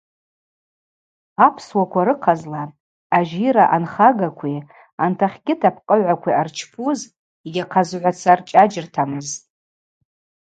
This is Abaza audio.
Апсуаква рыхъазла ажьира анхагакви антахьгьыт апкъыгӏвакви ъарчпуз йгьахъазгӏваца рчӏаджьыртамызтӏ.